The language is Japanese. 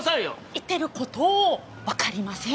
言ってる事わかりません。